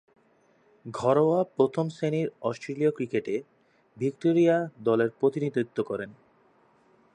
ঘরোয়া প্রথম-শ্রেণীর অস্ট্রেলীয় ক্রিকেটে ভিক্টোরিয়া দলের প্রতিনিধিত্ব করেন।